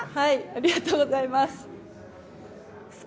ありがとうございます。